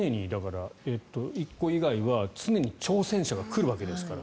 １個以外は常に挑戦者が来るわけですから。